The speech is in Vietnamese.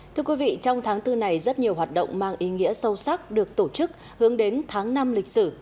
thưa quý vị trong tháng bốn này rất nhiều hoạt động mang ý nghĩa sâu sắc được tổ chức hướng đến tháng năm lịch sử